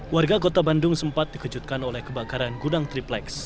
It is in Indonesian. warga kota bandung sempat dikejutkan oleh kebakaran gudang triplex